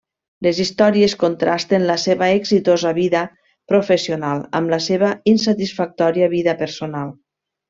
Les històries contrasten la seva exitosa vida professional amb la seva insatisfactòria vida personal.